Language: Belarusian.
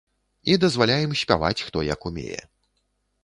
І дазваляем спяваць, хто як умее.